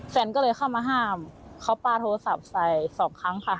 แฟนก็เลยเข้ามาห้ามเขาปลาโทรศัพท์ใส่สองครั้งค่ะ